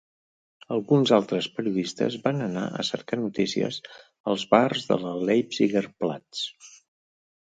Alguns altres periodistes van anar a cercar notícies als bars de la Leipzigerplatz.